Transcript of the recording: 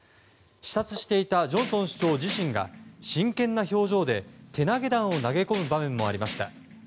視察していたジョンソン首相自身が真剣な表情で手投げ弾を投げ込む場面もありました。